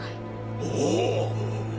おお！